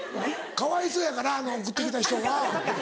かわいそうやからあの送って来た人が。